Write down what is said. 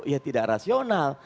ya tidak rasional